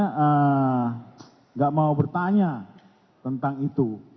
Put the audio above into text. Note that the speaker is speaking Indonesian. tidak mau bertanya tentang itu